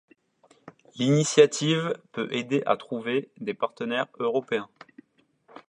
L'initiative peut aider à trouver des partenaires européens.